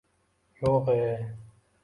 Yo‘g‘e?!